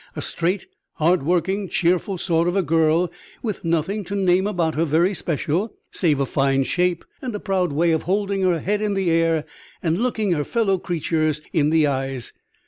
A straight, hardworking, cheerful sort of a girl, with nothing to name about her very special save a fine shape and a proud way of holding her head in the air and looking her fellow creatures in the eyes.